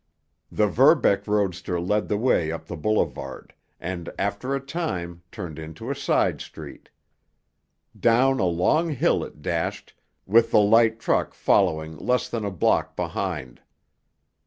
The Verbeck roadster led the way up the boulevard, and, after a time, turned into a side street. Down a long hill it dashed, with the light truck following less than a block behind.